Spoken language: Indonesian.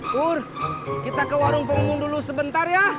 pur kita ke warung pengumum dulu sebentar ya